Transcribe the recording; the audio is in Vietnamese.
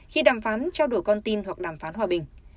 khi đàm phán trao đổi con tin hoặc đàm phán hòa bình